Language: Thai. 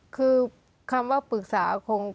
คือคำว่าปรึกษาคง